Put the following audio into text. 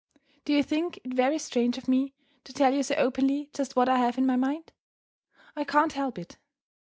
Do you think it very strange of me to tell you so openly just what I have in my mind? I can't help it!